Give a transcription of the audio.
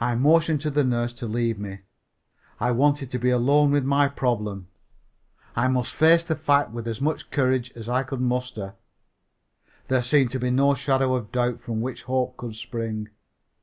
I motioned to the nurse to leave me. I wanted to be alone with my problem. I must face the fact with as much courage as I could muster. There seemed to be no shadow of doubt from which hope could spring.